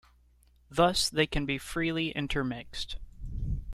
Thus, they can be freely intermixed.